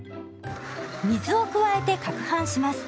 水を加えてかくはんします。